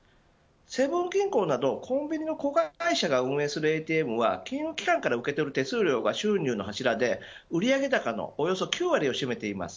セブン銀行などコンビニの子会社が運営するＡＴＭは金融機関から受け取る手数料が収入の柱で売上高のおよそ９割を占めています。